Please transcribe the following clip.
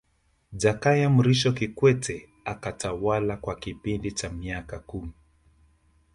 Jakaya Mrisho Kikwete akatawala kwa kipindi cha miaka kumi